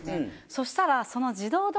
そしたらその。